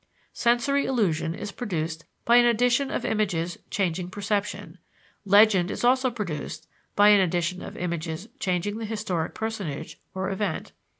Sensory illusion is produced by an addition of images changing perception; legend is also produced by an addition of images changing the historic personage or event.